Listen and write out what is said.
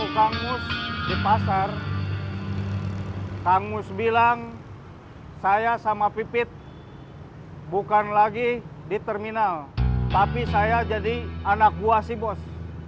kang mus bilang saya sama pipit bukan lagi di terminal tapi saya jadi anak buah si bos